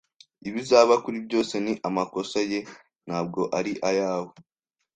Ibizaba kuri byose ni amakosa ye, ntabwo ari ayawe.